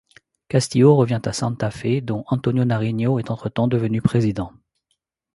Castillo revient à Santa Fe dont Antonio Nariño est entre-temps devenu président.